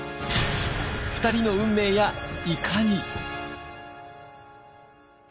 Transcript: ２人の運命やいかに！？